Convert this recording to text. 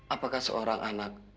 apakah seorang anak